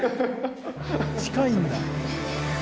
近いんだ。